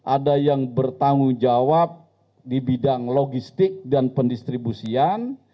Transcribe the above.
ada yang bertanggung jawab di bidang logistik dan pendistribusian